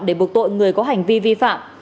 để buộc tội người có hành vi vi phạm